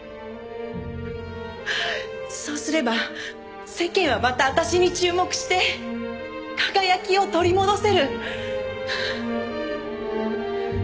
そうすれば世間はまた私に注目して輝きを取り戻せる。